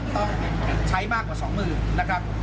ต้องใช้มากกว่า๒๐๐๐นะครับ